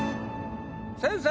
先生！